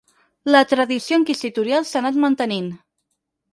La tradició inquisitorial s'ha anat mantenint.